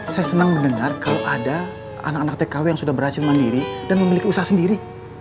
saya senang mendengar kalau ada anak anak tkw yang sudah berhasil mandiri dan memiliki usaha sendiri